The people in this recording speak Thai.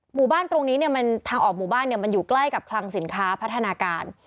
หมู่บ้านตรงนี้ทางออกหมู่บ้านมันอยู่ใกล้กับคลังสินค้าพัฒนาการ